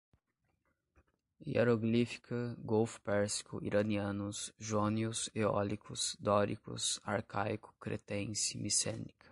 hieroglífica, golfo pérsico, iranianos, jônios, eólicos, dóricos, arcaico, cretense, micênica